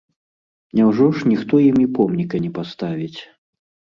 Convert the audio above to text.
Няўжо ж ніхто ім і помніка не паставіць?